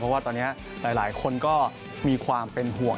เพราะว่าตอนนี้หลายคนก็มีความเป็นห่วง